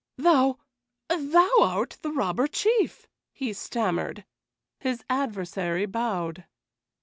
"Thou thou art the Robber Chief," he stammered. His adversary bowed.